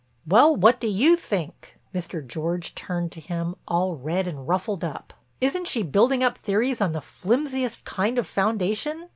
"Well, what do you think?" Mr. George turned to him all red and ruffled up. "Isn't she building up theories on the flimsiest kind of foundation?"